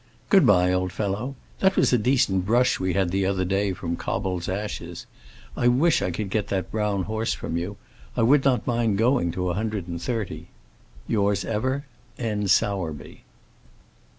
Good bye, old fellow. That was a decent brush we had the other day from Cobbold's Ashes. I wish I could get that brown horse from you. I would not mind going to a hundred and thirty. Yours ever, N. SOWERBY.